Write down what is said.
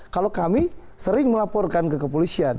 kalau kami sering melaporkan ke kepolisian